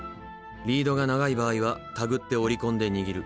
リードが長い場合はたぐって折り込んで握る。